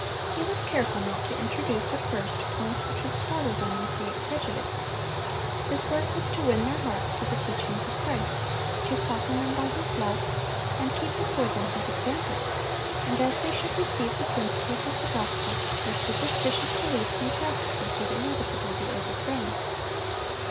He was careful not to introduce, at first, points which would startle them and create prejudice. His work was to win their hearts to the teachings of Christ, to soften them by His love, and keep before them His example; and as they should receive the principles of the gospel, their superstitious beliefs and practices would inevitably be overthrown.